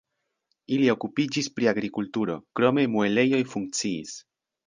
Ili okupiĝis pri agrikulturo, krome muelejoj funkciis.